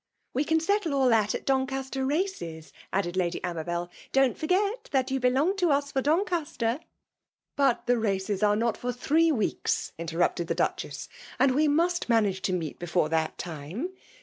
'* "We can settle all that at Doncaster races," 282 FKMALB DOMINATION. added Lady Amabel. *' Don't forget that yoa belong to us for Doncaster.'' '' But the races are not for three weeks,'' in* terrupted the Duchess ;*' and we must manage to meet before that time.